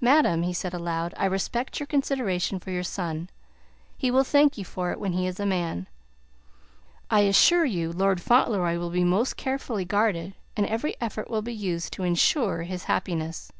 "Madam," he said aloud, "I respect your consideration for your son. He will thank you for it when he is a man. I assure you Lord Fauntleroy will be most carefully guarded, and every effort will be used to insure his happiness.